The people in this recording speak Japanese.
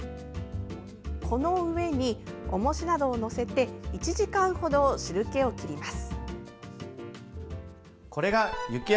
この上に、おもしなどを載せて１時間ほど汁けを切ります。